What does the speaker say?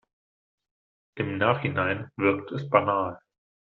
Im Nachhinein wirkt es banal.